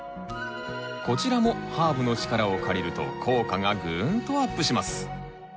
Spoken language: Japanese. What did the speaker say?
こちらもハーブの力を借りると効果がグーンとアップします！